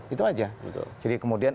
itu saja jadi kemudian